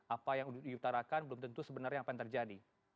apa yang diutarakan belum tentu sebenarnya apa yang terjadi